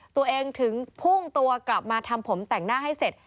ตัวเองถึงพุ่งตัวกลับมาทำผมแต่งหน้าให้เสร็จ